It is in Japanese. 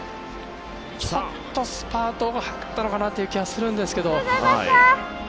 ちょっとスパート早かったのかなっていう気がしますけど。